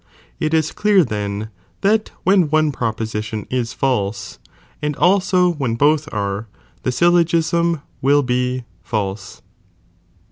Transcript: jl It is clear then, that when one * f.o.ihEran proposition is false, and also when both are, the fiS'o!'" ""*" syllogism will be false.